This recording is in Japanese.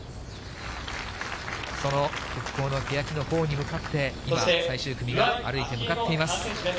その復興の欅のほうに向かって、今、最終組が歩いて向かっています。